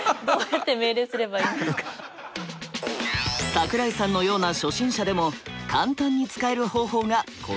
桜井さんのような初心者でも簡単に使える方法がこちら。